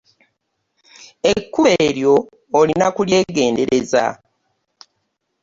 Ekkubo eryo olina okulyegendereza.